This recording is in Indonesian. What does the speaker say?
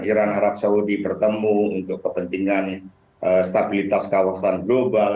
iran arab saudi bertemu untuk kepentingan stabilitas kawasan global